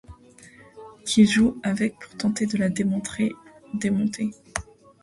Qui jouent avec pour tenter de la démontrer, démonter.